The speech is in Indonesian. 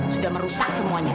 sudah merusak semuanya